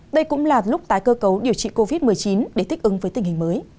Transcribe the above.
đây cũng là lúc tái cơ cấu điều trị covid một mươi chín để thích ứng với tình hình mới